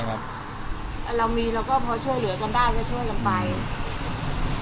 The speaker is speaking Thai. ยังไม่รู้ค่ารถอะไรอย่างนี้เรามีเราก็พอช่วยเหลือกันได้ก็ช่วยกันไป